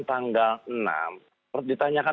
tanggal enam ditanyakan